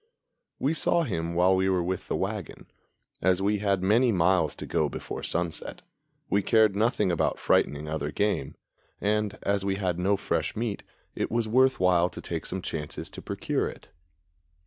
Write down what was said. We saw him while we were with the wagon. As we had many miles to go before sunset, we cared nothing about frightening other game, and, as we had no fresh meat, it was worth while to take some chances to procure it.